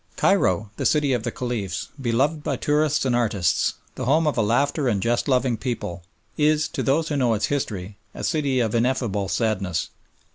Cairo, the City of the Caliphs, beloved by tourists and artists, the home of a laughter and jest loving people, is, to those who know its history, a city of ineffable sadness.